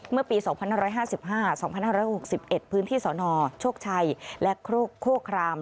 เมื่อปี๒๕๕๒๕๖๑พื้นที่สนโชคชัยและโคคราม